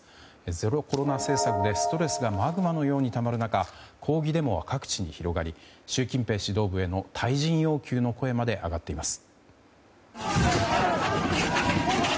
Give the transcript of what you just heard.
ゼロコロナ政策でストレスがマグマのようにたまる中抗議デモは各地に広がり習近平指導部への退陣要求の声まで上がっています。